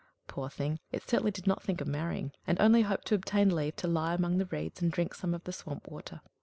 Poor thing! it certainly did not think of marrying, and only hoped to obtain leave to lie among the reeds and drink some of the swamp water.